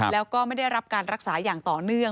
แล้วก็ไม่ได้รับการรักษาอย่างต่อเนื่อง